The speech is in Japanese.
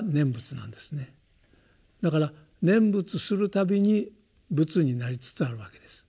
だから念仏するたびに仏になりつつあるわけです。